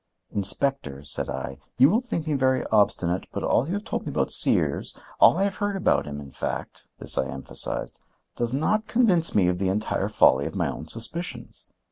"Inspector," said I, "you will think me very obstinate, but all you have told me about Sears, all I have heard about him, in fact,"—this I emphasized,—"does not convince me of the entire folly of my own suspicions.